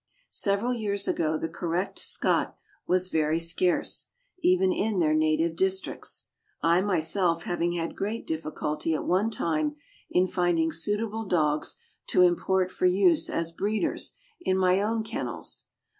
Several years ago the correct Scot was very scarce, even in their native districts, I myself having had great difficulty at one time in finding suitable dogs to import for use as breeders in my own kennels.